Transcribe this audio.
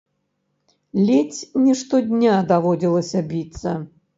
Ледзь не штодня даводзілася біцца.